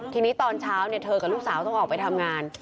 ทีนี้ตอนเช้าเธอกับลูกสาวต้องออกไปทำงาน